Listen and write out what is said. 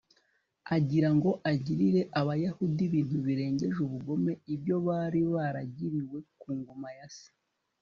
agira ngo agirire abayahudi ibintu birengeje ubugome ibyo bari baragiriwe ku ngoma ya se